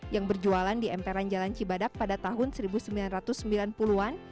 yang berjualan di emperan jalan cibadak pada tahun seribu sembilan ratus sembilan puluh an